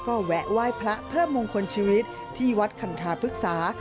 ก็แวะไหว้พระเพิ่มมงคลชีวิตที่วัดคันธาพฤกษา